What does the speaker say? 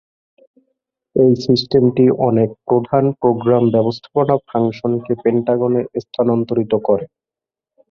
এই সিস্টেমটি অনেক প্রধান প্রোগ্রাম ব্যবস্থাপনা ফাংশনকে পেন্টাগনে স্থানান্তরিত করে।